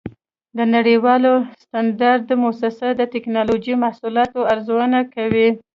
د نړیوال سټنډرډ مؤسسه د ټېکنالوجۍ محصولاتو ارزونه کوي.